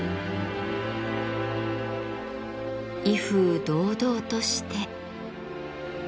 威風堂々として。